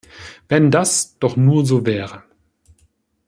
Wenn das doch nur so wäre.